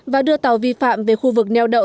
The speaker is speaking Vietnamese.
và đưa tàu vi phạm về khu vực neo đậu